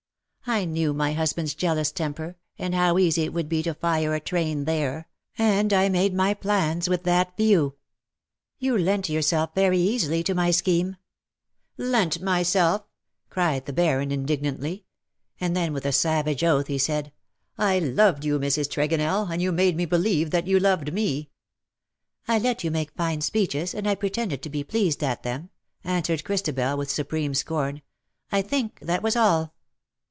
I knew my husband^s jealous temper, and how easy it would be to fire a train there, and I made my plans with that view. You lent yourself very easily to my scheme.^' 281 "Lent myself!'^ cried the Baron_, indignantly ; and then with a savage oath he said :" I loved you_, Mrs. Tregonell^ and you made me believe that you loved me/' '^ 1 let you make fine speeches^ and I pretended to be pleased at them/^ answered Christabel, with supreme scorn. '^ I think that was all.'